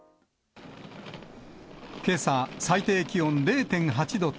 けさ、最低気温０．８度と、